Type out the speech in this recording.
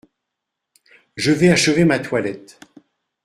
Je vais achever ma toilette.